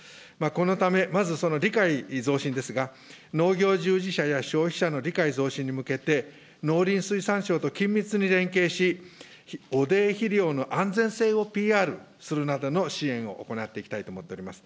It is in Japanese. このため、まずその理解増進ですが、農業従事者や消費者の理解増進に向けて、農林水産省と緊密に連携し、汚泥肥料の安全性をＰＲするなどの支援を行っていきたいと思っております。